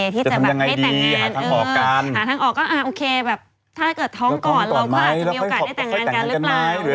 ที่จะทำยังไงดีหาทางออกกัน